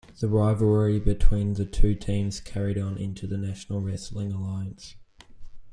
The rivalry between the two teams carried on into the National Wrestling Alliance.